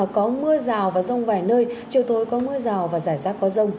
có mưa rào và rông vài nơi chiều tối có mưa rào và rải rác có rông